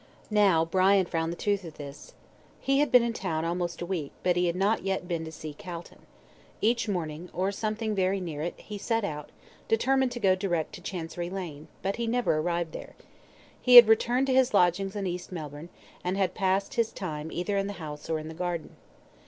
Now, Brian found the truth of this. He had been in town almost a week, but he had not yet been to see Calton. Each morning or something very near it he set out, determined to go direct to Chancery Lane, but he never arrived there. He had returned to his lodgings in East Melbourne, and had passed his time either in the house or in the garden.